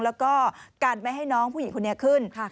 แล้วก็กันไม่ให้น้องผู้หญิงคนนี้ขึ้น